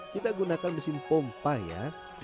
kita gunakan mesin pompa ya